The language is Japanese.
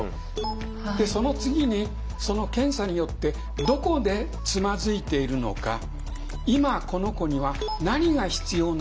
その次にその検査によってどこでつまずいているのか今この子には何が必要なのか。